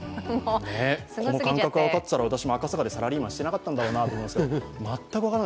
この感覚が分かってたら私も赤坂でサラリーマンしてなかったんじゃないかなと思うんですが。